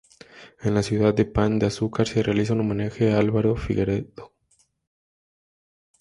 En la ciudad de Pan de Azúcar se realiza un homenaje a Álvaro Figueredo.